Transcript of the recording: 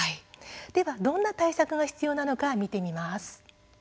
では、どんな対策が必要なのか見てみます。